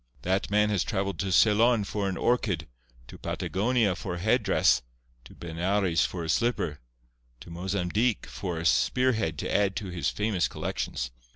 That man has travelled to Ceylon for an orchid—to Patagonia for a headdress—to Benares for a slipper—to Mozambique for a spearhead to add to his famous collections.